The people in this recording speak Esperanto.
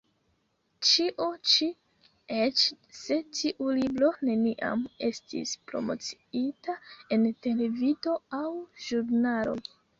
Ĉio ĉi, eĉ se tiu libro neniam estis promociita en televido aŭ ĵurnaloj.